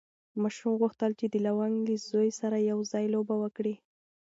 ماشوم غوښتل چې د لونګ له زوی سره یو ځای لوبه وکړي.